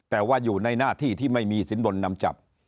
แต่ว่าอยู่ในหน้าที่ที่ไม่มีสินบนนำจับ